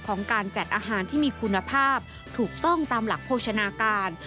ของการจัดอาหารที่มีคุณภาพถูกต้องตามหลักโภชนาการ